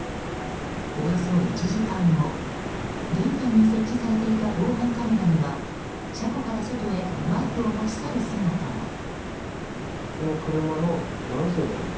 およそ１時間後、玄関に設置されていた防犯カメラには車庫から外へバイクを持ち去る姿が。